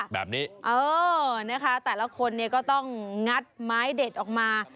แบบนี้เออนะคะแต่ละคนเนี่ยก็ต้องงัดไม้เด็ดออกมา